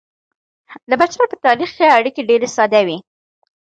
د بشر په تاریخ کې اړیکې ډیرې ساده وې.